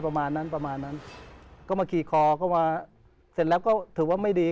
ประมาณนั้นประมาณนั้นก็มาขี่คอเข้ามาเสร็จแล้วก็ถือว่าไม่ดี